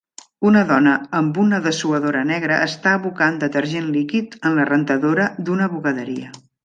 Una dona amb una dessuadora negra està abocant detergent líquid en la rentadora d'una bugaderia.